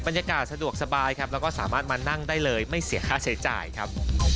บรรยากาศสะดวกสบายครับแล้วก็สามารถมานั่งได้เลยไม่เสียค่าใช้จ่ายครับ